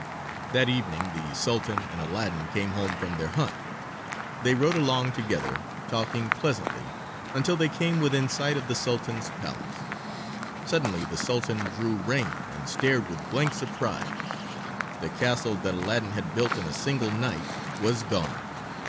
That evening the Sultan and Aladdin came home from their hunt. They rode along together, talking pleasantly, until they came within sight of the Sultan's palace. Suddenly the Sultan drew rein and stared with blank surprise. The castle that Aladdin had built in a single night was gone.